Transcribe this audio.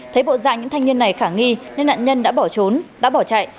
thấy bộ dạng những thanh niên này khả nghi nên nạn nhân đã bỏ trốn đã bỏ chạy